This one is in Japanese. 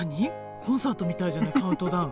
コンサートみたいじゃないカウントダウン。